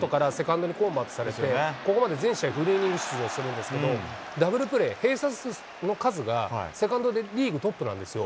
ことしセカンドにコンバートされて、ここまで全試合フルイニング出場してるんですけれども、ダブルプレーの数が、セカンドでリーグトップなんですよ。